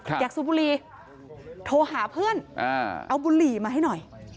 อยากสูบบุหรี่โทรหาเพื่อนเอาบุหรี่มาให้หน่อย